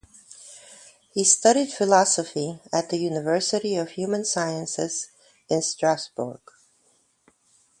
He studied philosophy at the University of Human Sciences in Strasbourg.